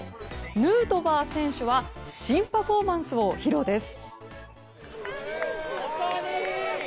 ヌートバー選手は新パフォーマンスを披露です。